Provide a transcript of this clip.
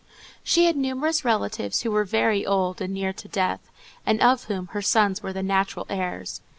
She had numerous relatives, who were very old and near to death, and of whom her sons were the natural heirs.